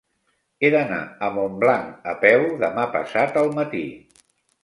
He d'anar a Montblanc a peu demà passat al matí.